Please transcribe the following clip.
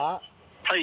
「はい」